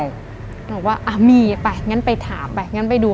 บอกว่ามีไปงั้นไปถามไปงั้นไปดู